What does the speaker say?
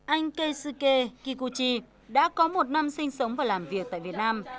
anh keisuke kikuchi đã có một năm sinh sống và làm việc tại việt nam